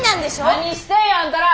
何してんやあんたら！